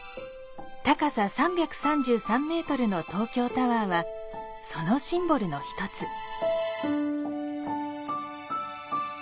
高さ３３３ｍの東京タワーはそのシンボルの１つ。